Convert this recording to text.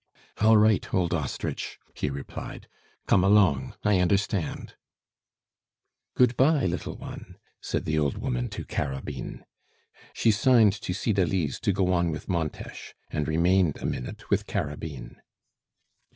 "All right, old ostrich," he replied. "Come along: I understand." "Good bye, little one!" said the old woman to Carabine. She signed to Cydalise to go on with Montes, and remained a minute with Carabine.